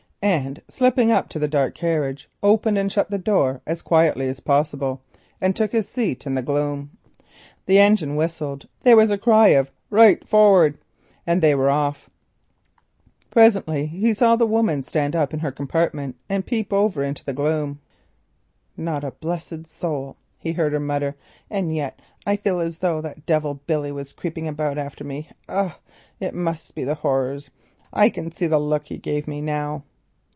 Slipping up to the dark carriage, he opened and shut the door as quietly as possible and took his seat in the gloom. The engine whistled, there was a cry of "right forrard," and they were off. Presently he saw the woman stand up in her division of the compartment and peep over into the gloom. "Not a blessed soul," he heard her mutter, "and yet I feel as though that devil Billy was creeping about after me. Ugh! it must be the horrors. I can see the look he gave me now."